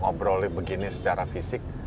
ngobrol begini secara fisik